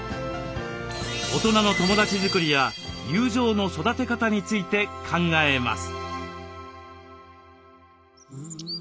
大人の友だち作りや友情の育て方について考えます。